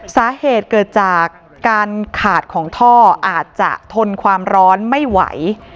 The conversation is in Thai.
สาเหตุเกิดจากการขาดของท่ออาจจะทนความร้อนไม่ไหว